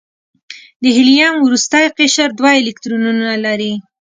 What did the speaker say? د هیلیم وروستی قشر دوه الکترونونه لري.